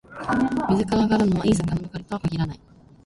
水から揚がるのは、いい魚ばかりとは限らない